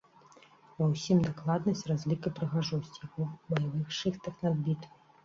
Ва ўсім дакладнасць, разлік і прыгажосць - як у баявых шыхтах перад бітвай.